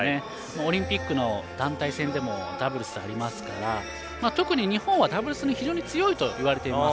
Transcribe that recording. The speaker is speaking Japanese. オリンピックの団体戦でもダブルスありますから特に日本はダブルスに非常に強いといわれています。